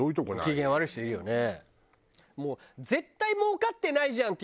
機嫌悪い人いるよね。